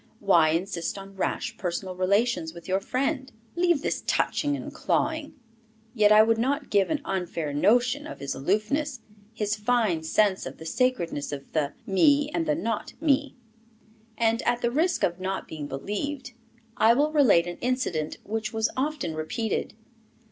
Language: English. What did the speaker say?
"Why insist on rash personal relations with your friend?" "Leave this touching and clawing." Yet I would not give an unfair notion of his aloofness, his fine sense of the sacredness of the me and the not me. And, at the risk of not being believed, I will relate an incident, which was often repeated.